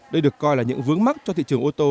đây được coi là những vướng mắt cho thị trường ô tô